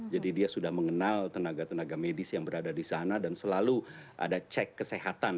jadi dia sudah mengenal tenaga tenaga medis yang berada di sana dan selalu ada cek kesehatan